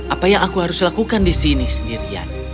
apa yang aku harus lakukan di sini sendirian